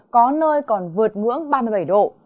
có nơi còn vượt ngưỡng ba mươi bảy độ